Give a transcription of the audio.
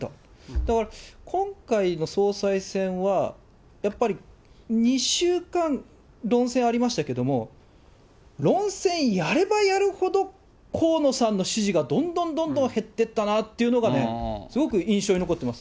だから今回の総裁選はやっぱり、２週間論戦ありましたけれども、論戦やればやるほど河野さんの支持が、どんどんどんどん減ってったなっていうのがすごく印象に残ってます。